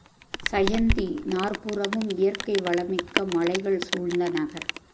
சயந்தி நாற்புறமும் இயற்கை வளமிக்க மலைகள் சூழ்ந்த நகர்.